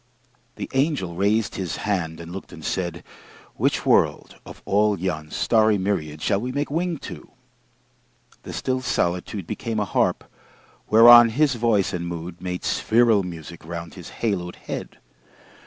The angel raised his hand and looked and said, "Which world, of all yon starry myriad Shall we make wing to?" The still solitude Became a harp whereon his voice and mood Made spheral music round his haloed head.